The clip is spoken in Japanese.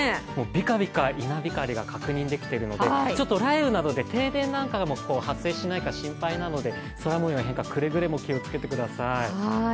ビカビカ稲光が確認できているのでちょっと雷雨などで停電なんかも発生しないか心配なので空もようの変化、くれぐれも気をつけてください。